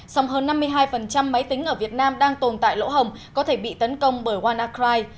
sống hơn năm mươi hai máy tính ở việt nam đang tồn tại lỗ hồng có thể bị tấn công bởi warner crye